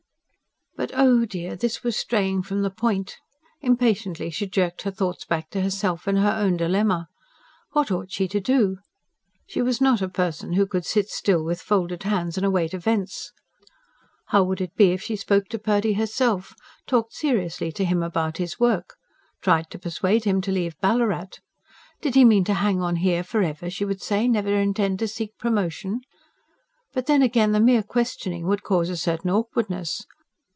But oh dear! this was straying from the point. Impatiently she jerked her thoughts back to herself and her own dilemma. What ought she to do? She was not a person who could sit still with folded hands and await events. How would it be if she spoke to Purdy herself? ... talked seriously to him about his work? ... tried to persuade him to leave Ballarat. Did he mean to hang on here for ever, she would say never intend to seek promotion? But then again, the mere questioning would cause a certain awkwardness.